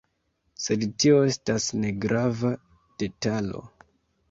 Sed tio estas negrava detalo.